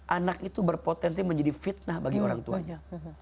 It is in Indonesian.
anak itu berpotensi menjadi fitnah bagi orang tuanya